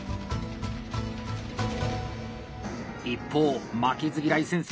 一方「負けず嫌い先生」